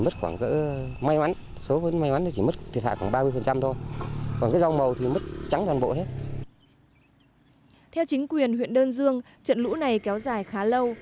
theo chính quyền huyện đơn dương trận lũ này kéo dài khá lâu